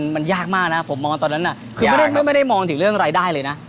มันยากมากนะผมมองตอนนั้นคือไม่ได้มองถึงเรื่องรายได้เลยนะ